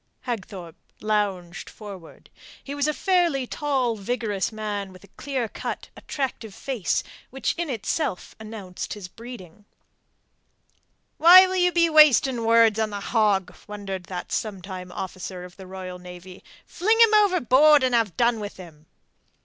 Hagthorpe lounged forward. He was a fairly tall, vigorous man with a clear cut, attractive face which in itself announced his breeding. "Why will you be wasting words on the hog?" wondered that sometime officer in the Royal Navy. "Fling him overboard and have done with him."